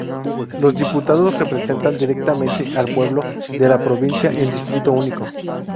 Los diputados representan directamente al pueblo de la Provincia en distrito único.